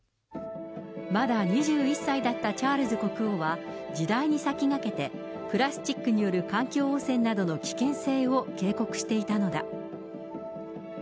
まだ２１歳だったチャールズ国王は、時代に先駆けてプラスチックによる環境汚染などの危険性を警告していたのだ。